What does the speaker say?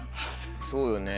そうよね。